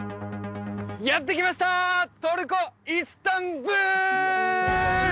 やって来ましたトルコイスタンブール！